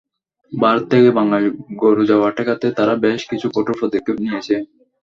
ভারত থেকে বাংলাদেশে গরু যাওয়া ঠেকাতে তারা বেশ কিছু কঠোর পদক্ষেপ নিয়েছে।